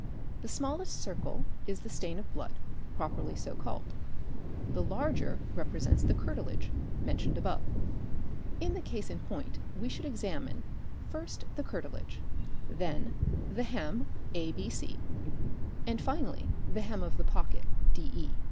The smallest circle 'J is the stain of blood properly so called, the bs larger represent the 'curtilage'? mentioned Fig. 109. above. In the case in point we should examine, first the curtilage, then the hem abe, and finally the hem of the pocket de.